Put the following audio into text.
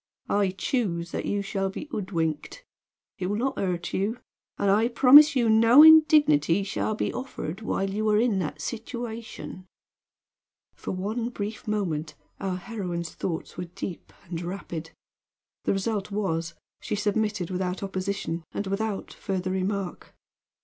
I choose that you shall be hoodwinked. It will not hurt you; and I promise you no indignity shall be offered while you are in that situation." For one brief moment our heroine's thoughts were deep and rapid; the result was she submitted without opposition and without further remark.